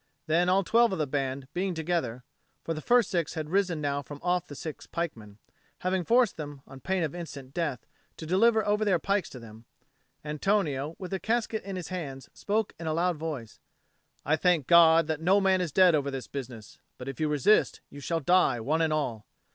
Then all twelve of the band being together for the first six had risen now from off the six pikemen, having forced them, on pain of instant death, to deliver over their pikes to them Antonio, with the casket in his hands, spoke in a loud voice, "I thank God that no man is dead over this business; but if you resist, you shall die one and all.